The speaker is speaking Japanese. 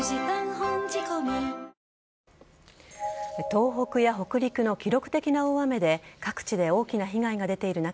東北や北陸の記録的な大雨で各地で大きな被害が出ている中